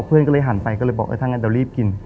เพื่อนก็เลยหันไปก็เลยบอกเออถ้างั้นเดี๋ยวรีบกิน